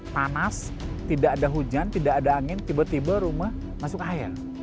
panas tidak ada hujan tidak ada angin tiba tiba rumah masuk air